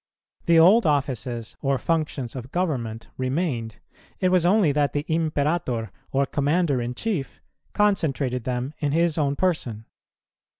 The old offices or functions of government remained: it was only that the Imperator, or Commander in Chief, concentrated them in his own person.